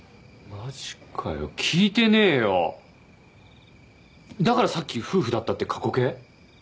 マジかよ聞いてねえよだからさっき夫婦だったって過去形？